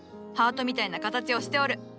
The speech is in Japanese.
ハートみたいな形をしておる。